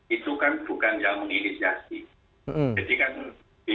itu kan bukan yang menginisiasi